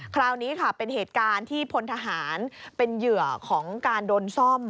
คราวนี้ค่ะเป็นเหตุการณ์ที่พลทหารเป็นเหยื่อของการโดนซ่อม